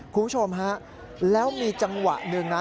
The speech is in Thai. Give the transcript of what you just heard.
คุณผู้ชมฮะแล้วมีจังหวะหนึ่งนะ